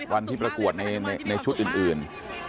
วันที่ประกวดในชุดอื่น